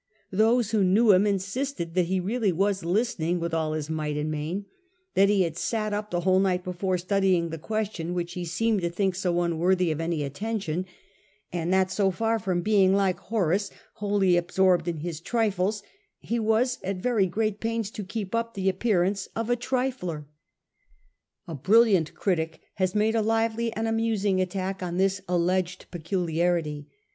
Those who knew him insisted that he really was listening with all his might and main ; that he had sat up the whole night before studying the question which he seemed to think so unworthy of any attention ; and that so far from being, like Horace, wholly absorbed in his trifles, he was at very great pains to keep up the appearance of a trifler. A brilliant critic has made a lively and amusing attack on this alleged peculiarity.